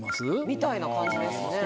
みたいな感じですね。